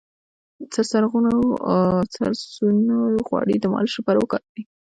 د سرسونو غوړي د مالش لپاره وکاروئ